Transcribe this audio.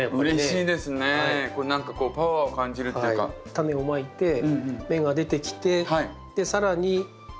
タネをまいて芽が出てきて更に。